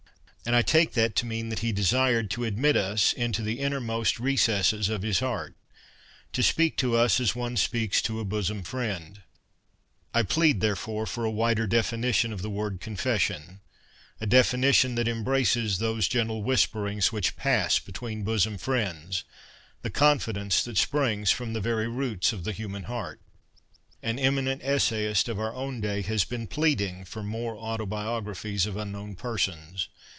And I take that to mean that he desired to admit us into the innermost recesses of his heart, to speak to us as one speaks to a bosom friend. l8 CONFESSIONS OF A BOOK LOVER I plead, therefore, for a wider definition of the word 'confession' — a definition that embraces those ' gentle whisperings ' which pass between bosom friends, the confidence that springs from the very roots of the human heart. An eminent essayist of our own day has been pleading for more autobiographies of unknown persons.